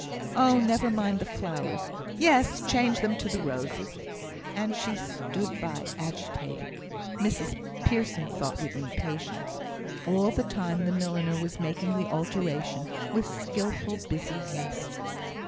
"Oh! never mind the flowers yes! change them to roses." And she stood by, agitated (Mrs Pearson thought with impatience), all the time the milliner was making the alteration with skilful, busy haste.